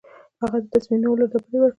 هغه د تصمیم نیولو ډبرې ورکوي.